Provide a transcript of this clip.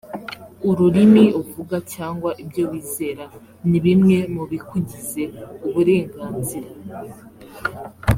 ururimi uvuga cyangwa ibyo wizera ni bimwe mubikugize uburenganzira